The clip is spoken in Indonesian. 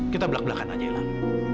kita belak belakan aja hilang